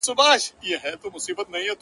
ویل بار د ژوندانه مي کړه ملا ماته!.